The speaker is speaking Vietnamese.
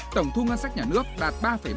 tổng thu ngân sách nhà nước đạt ba ba